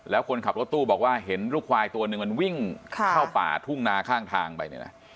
แล้วคนขับรถตู้บอกว่าเห็นลูกควายตัวหนึ่งมันวิ่งเข้าป่าทุ่งนาข้างทางไปเนี่ยนะ